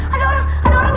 ada orang ada orang